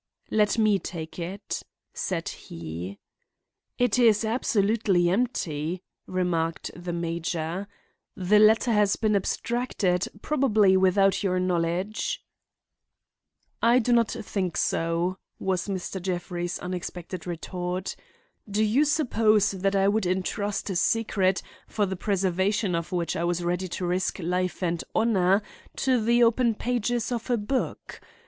"Let me take it," said he. "It is absolutely empty," remarked the major. "The letter has been abstracted, probably without your knowledge." "I do not think so," was Mr. Jeffrey's unexpected retort. "Do you suppose that I would intrust a secret, for the preservation of which I was ready to risk life and honor, to the open pages of a book?